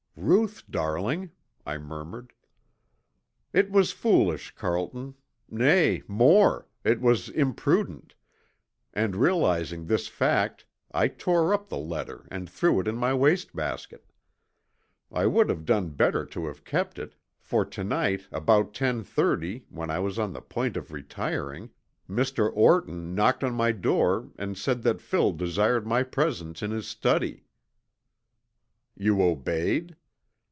"Ruth, darling!" I murmured. "It was foolish, Carlton, nay more, it was imprudent, and realizing this last fact I tore up the letter and threw it in my waste basket. I would have done better to have kept it, for to night about ten thirty, when I was on the point of retiring, Mr. Orton knocked on my door and said that Phil desired my presence in his study." "You obeyed?"